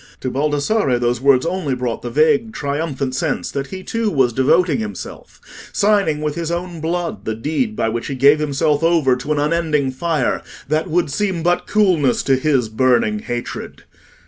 To Baldassarre those words only brought the vague triumphant sense that he too was devoting himself—signing with his own blood the deed by which he gave himself over to an unending fire, that would seem but coolness to his burning hatred.